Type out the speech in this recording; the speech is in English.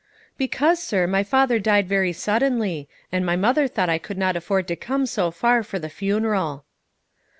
"Because, sir, my father died very suddenly, and my mother thought I could not afford to come so far for the funeral."